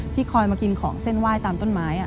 คอยมากินของเส้นไหว้ตามต้นไม้